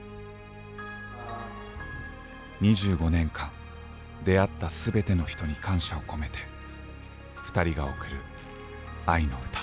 ２５年間出会った全ての人に感謝を込めてふたりが贈る愛の歌。